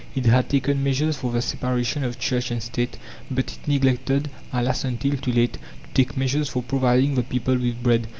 It had taken measures for the separation of Church and State, but it neglected, alas, until too late, to take measures for providing the people with bread.